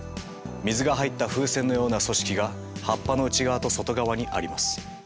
水が入った風船のような組織が葉っぱの内側と外側にあります。